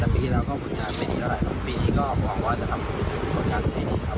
แต่ปีที่แล้วก็ผลงานไม่ดีเท่าไหร่ครับปีที่นี้ก็หวังว่าจะทำผลงานให้ดีครับ